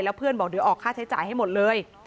เพื่อนบอกเดี๋ยวออกค่าใช้จ่ายให้หมดเลย